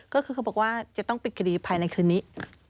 ก็คือเขาบอกว่าจะต้องปิดคดีภายในคืนนี้